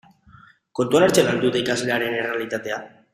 Kontuan hartzen al dute ikaslearen errealitatea?